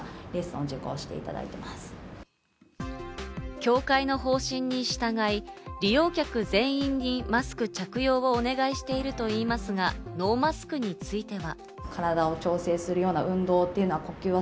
協会の方針に従い利用客全員にマスク着用をお願いしているといいますが、ノーマスクについては。